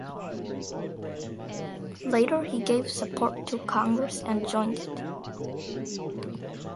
Later he gave support to Congress and joined it.